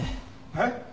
えっ？